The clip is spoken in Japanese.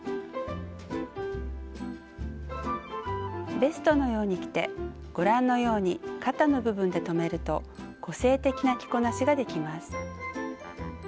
ベストのように着てご覧のように肩の部分で留めると個性的な着こなしができます。